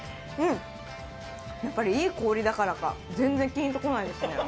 いい氷だからか、全然キーンとこないですね。